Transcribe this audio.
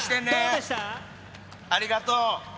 ありがとう。